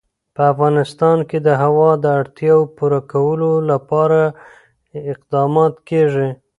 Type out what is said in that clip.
په افغانستان کې د هوا د اړتیاوو پوره کولو لپاره اقدامات کېږي.